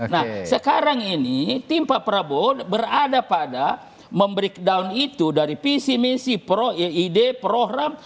nah sekarang ini timpa perabot berada pada memberi down itu dari pc misi pro ied prohram